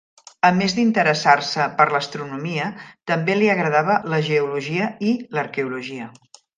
A més d'interessar-se per l'astronomia, també li agradava la geologia i l'arqueologia.